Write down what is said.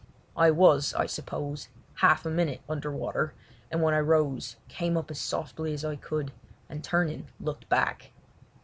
I was, I suppose, half a minute under water, and when I rose came up as softly as I could, and turning, looked back.